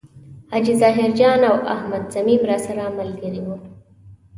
حاجي ظاهر جان او احمد صمیم راسره ملګري و.